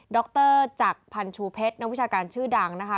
รจักรพันชูเพชรนักวิชาการชื่อดังนะคะ